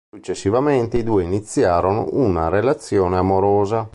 Successivamente i due iniziarono una relazione amorosa.